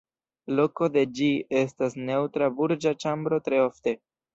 Loko de ĝi estas neŭtra burĝa ĉambro tre ofte.